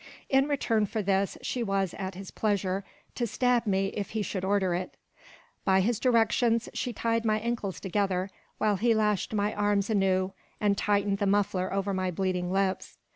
In return for this, she was, at his pleasure, to stab me if he should order it. By his directions, she tied my ankles together, while he lashed my arms anew, and tightened the muffler over my bleeding lips.